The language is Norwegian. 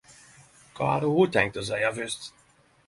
Kva hadde ho tenkt å seie fyrst?